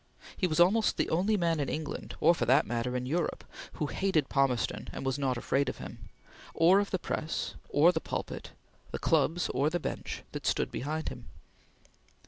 He was almost the only man in England, or, for that matter, in Europe, who hated Palmerston and was not afraid of him, or of the press or the pulpit, the clubs or the bench, that stood behind him.